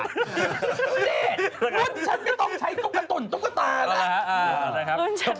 นี่ฉันไม่ต้องใช้ตุ๊กตุ่นตุ๊กตาแล้ว